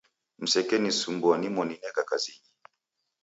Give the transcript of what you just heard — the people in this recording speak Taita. Msekensumbua nimoni neka kazinyi.